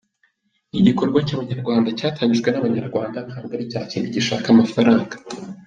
Ni igikorwa cy’Abanyarwanda, cyatangijwe n’Abanyarwanda ntabwo ari cya kindi gishaka amafaranga.